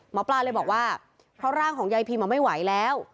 หมอปลาเลยบอกว่าเพราะร่างของยายพิมไม่ไหวแล้ว